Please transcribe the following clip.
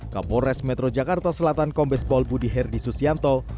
kapolres metro jakarta selatan kombespol budi herdi susianto